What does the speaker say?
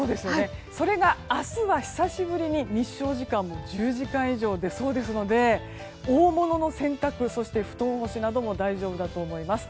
それが明日は久しぶりに日照時間も１０時間以上出そうですので大物の洗濯そして布団干しなども大丈夫だと思います。